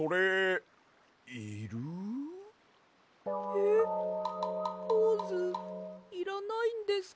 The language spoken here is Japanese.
えっポーズいらないんですか？